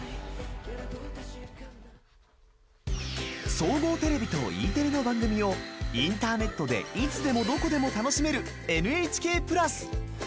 総合テレビとＥテレの番組をインターネットでいつでも、どこでも楽しめるＮＨＫプラス。